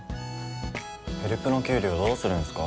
ヘルプの給料どうするんすか？